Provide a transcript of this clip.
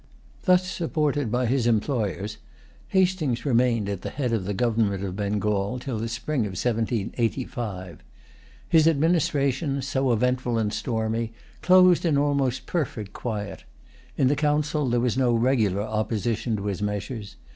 [Pg 195] Thus supported by his employers, Hastings remained at the head of the government of Bengal till the spring of 1785. His administration, so eventful and stormy, closed in almost perfect quiet. In the Council there was no regular opposition to his measures.